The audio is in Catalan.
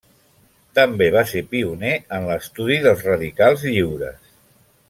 També va ser pioner en l'estudi dels radicals lliures.